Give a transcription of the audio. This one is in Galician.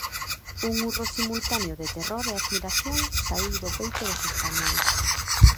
Un urro simultáneo de terror e admiración saíu do peito dos españois.